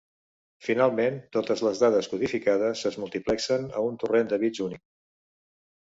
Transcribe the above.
Finalment totes les dades codificades es multiplexen a un torrent de bits únic.